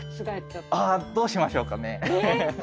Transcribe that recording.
どうしましょうかね。